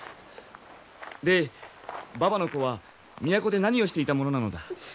でばばの子は都で何をしていた者なのだ？